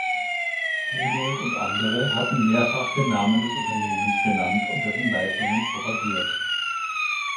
Hunold und andere hatten mehrfach den Namen des Unternehmens genannt und dessen Leistungen propagiert.